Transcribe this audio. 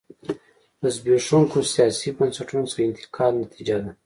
له زبېښونکو سیاسي بنسټونو څخه انتقال نتیجه ده.